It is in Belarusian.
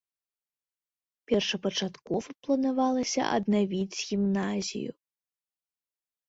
Першапачаткова планавалася аднавіць гімназію.